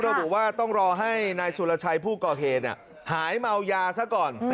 เราก็บอกว่าต้องรอให้นายศุลชัยผู้ก่อเคหายเมายาซะก่อน